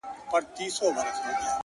لکه ماسوم بې موره!!